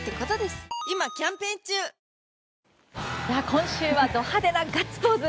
今週はド派手なガッツポーズ